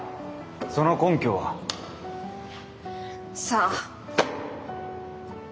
その根拠は？さあ。